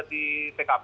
masih berada di tkp